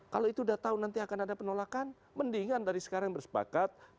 kalau itu udah tahu nanti akan ada penolakan mendingan dari sekarang bersepakat penuhi tuntutan